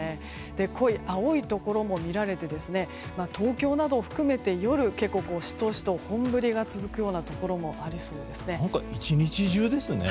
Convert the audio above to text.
濃い青いところも見られて東京などを含めて夜、シトシト本降りが続くところもありそうですね。